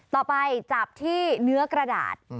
จับที่เนื้อกระดาษ